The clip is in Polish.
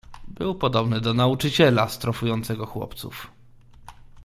"Był podobny do nauczyciela, strofującego chłopców."